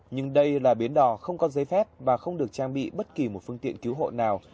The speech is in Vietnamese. nhưng đây là bến đò không có giấy phép và không được trang bị bất kỳ một phương tiện cứu hộ nào